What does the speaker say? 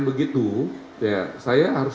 begitu ya saya harus